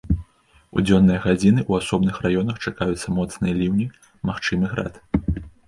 У дзённыя гадзіны ў асобных раёнах чакаюцца моцныя ліўні, магчымы град.